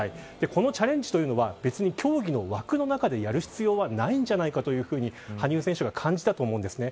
このチャレンジというのは、別に競技の枠の中でやる必要はないんじゃないかというふうに羽生選手は感じたと思うんですね。